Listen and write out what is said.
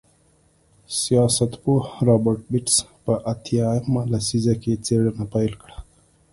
سیاستپوه رابرټ بېټس په اتیا مه لسیزه کې څېړنه پیل کړه.